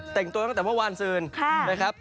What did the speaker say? เตรียมตัวตั้งแต่ว่าวานซืนครับ